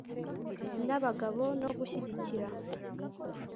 n abagabo no gushyigikira